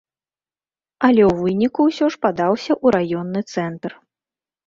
Але ў выніку ўсё ж падаўся ў раённы цэнтр.